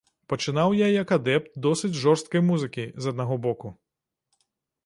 Пачынаў я як адэпт досыць жорсткай музыкі, з аднаго боку.